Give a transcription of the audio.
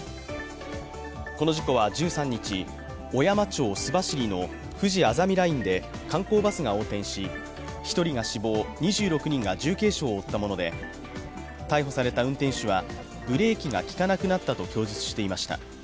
この事故は１３日、小山町須走のふじあざみラインで観光バスが横転し、１人が死亡、２６人が重軽傷を負ったもので逮捕された運転手は、ブレーキが利かなくなったと供述していました。